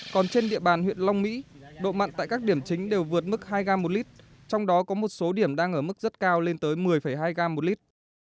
còn trên địa bàn huyện long mỹ độ mặn tại các điểm chính đều vượt mức hai gram một lít trong đó có một số điểm đang ở mức rất cao lên tới một mươi hai gram một lít